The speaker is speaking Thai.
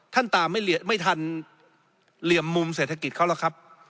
ตามไม่ทันเหลี่ยมมุมเศรษฐกิจเขาหรอกครับ